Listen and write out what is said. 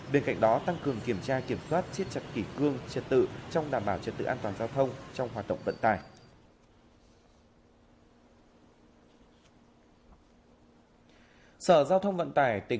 bên cạnh đó tăng cường kiểm tra kiểm soát siết chặt kỷ cương trật tự trong đảm bảo trật tự an toàn giao thông trong hoạt động vận tải